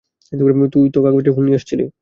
তাই তো কাগজের ফুল নিয়ে আসছি।